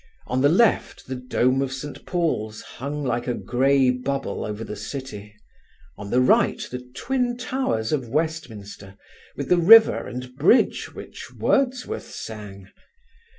On the left the dome of St. Paul's hung like a grey bubble over the city; on the right the twin towers of Westminster with the river and bridge which Wordsworth sang.